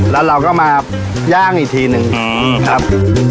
แล้วเราก็มาย่างอีกทีหนึ่งครับ